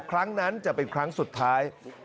ครั้งนั้นจะเป็นครั้งสุดท้าย